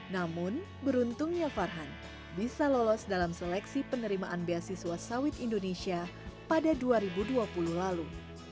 namun beruntungnya farhan bisa lolos dalam seleksi penerimaan beasiswa sawit indonesia pada dua ribu dua puluh lalu